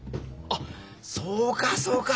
あっそうかそうか。